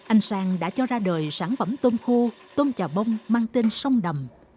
anh sang đã cho ra đời sản phẩm tôm khô tôm trà bông mang tên sông đầm